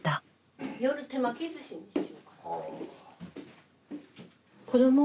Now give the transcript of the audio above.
夜手巻きずしにしようか。